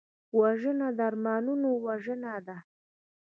وژنه د ارمانونو وژنه ده